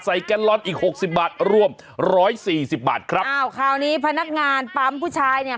ใส่แกนลอนอีก๖๐บาทรวม๑๔๐บาทครับอ้าวคราวนี้พนักงานปั๊มผู้ชายเนี่ย